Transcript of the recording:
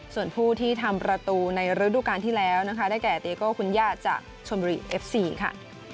ส่วนผู้ที่ทำประตูในฤดูการที่แล้วนะคะได้แก่เตโก้คุณย่าจากชนบุรีเอฟซีค่ะ